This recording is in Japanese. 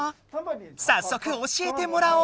さっそく教えてもらおう。